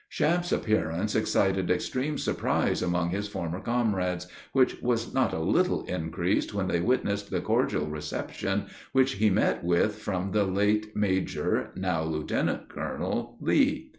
Champe's appearance excited extreme surprise among his former comrades, which was not a little increased when they witnessed the cordial reception, which he met with from the late Major, now Lieutenant Colonel Lee.